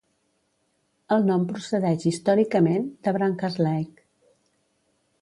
El nom procedeix històricament de Branca's Leigh.